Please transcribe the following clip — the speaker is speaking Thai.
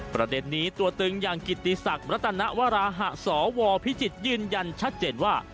ประเด็นนี้ตัวตึงอย่างกิติศักดิ์รัตนวราหะสวพิจิตรยืนยันชัดเจนว่า